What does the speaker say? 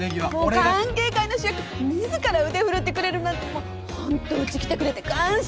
歓迎会の主役が自ら腕を振るってくれるなんてホントうち来てくれて感謝！